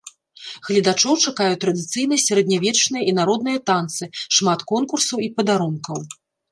Гледачоў чакаюць традыцыйныя сярэднявечныя і народныя танцы, шмат конкурсаў і падарункаў!